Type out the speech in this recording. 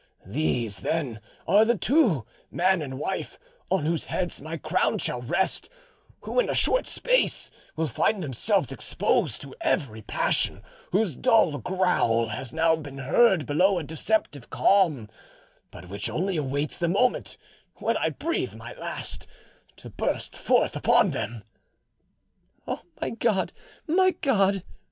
These, then, are the two, man and wife, on whose heads my crown shall rest, who in a short space will find themselves exposed to every passion whose dull growl is now heard below a deceptive calm, but which only awaits the moment when I breathe my last, to burst forth upon them." "O my God, my God!"